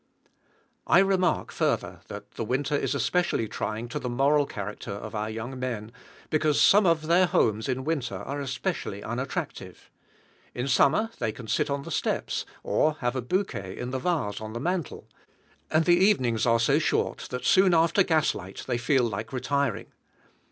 I remark further, that the winter is especially trying to the moral character of our young men, because some of their homes in winter are especially unattractive. In summer they can sit on the steps, or have a bouquet in the vase on the mantel; and the evenings are so short that soon after gas light they feel like retiring.